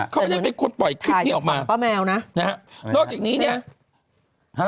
เขาไม่ได้เป็นคนปล่อยคลิปนี้ออกมา